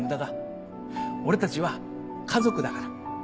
俺たちは家族だから。